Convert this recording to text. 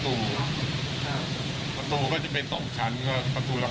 แต่ไม่ใช่ถึงขนาดเป็นขาประจำ